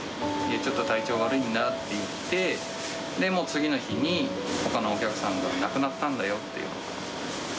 ちょっと体調悪いんだって言って、で、もう次の日にほかのお客さんから、亡くなったんだよって。